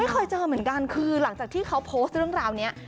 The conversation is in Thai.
เคยเจอเหมือนกันคือหลังจากที่เขาโพสต์เรื่องราวนี้